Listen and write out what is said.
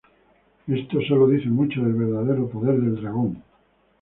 Esto solo dice mucho del verdadero poder de Dragón.